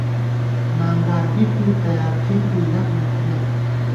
نانگار بِک بی ، تیار تھِک بی ، یَک نہ تھنَئیت